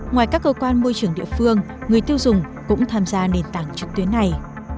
ngoài các cơ quan môi trường địa phương người tiêu dùng cũng tham gia nền tảng trực tuyến này